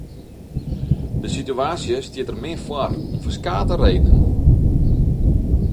De situaasje stiet der min foar om ferskate redenen.